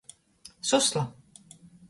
Susla.